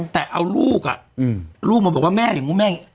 แต่เอาลูกอ่ะลูกลูกมาบอกว่าแม่อย่างนู้นแม่